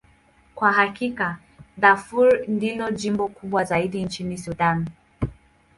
Kwa hakika, Darfur ndilo jimbo kubwa zaidi nchini Sudan.